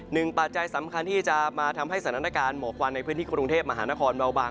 ปัจจัยสำคัญที่จะมาทำให้สถานการณ์หมอกควันในพื้นที่กรุงเทพมหานครเบาบาง